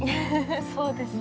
そうですね。